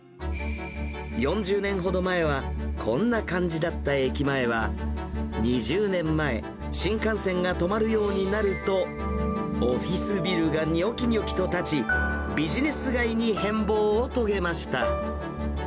４０年ほど前はこんな感じだった駅前は、２０年前、新幹線が止まるようになるとオフィスビルがにょきにょきと建ち、ビジネス街に変貌を遂げました。